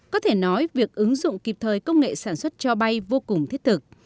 có thể nói việc ứng dụng kịp thời công nghệ sản xuất cho bay vô cùng thiết thực